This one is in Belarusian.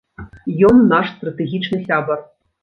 Ён наш стратэгічны сябар.